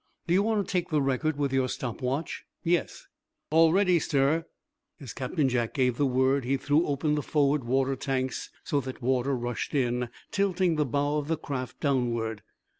"Do you want to take the record with your stop watch?" "Yes?" "All ready, sir." As Captain Jack gave the word he threw open the forward water tanks, so that water rushed in, tilting the bow of the craft downward.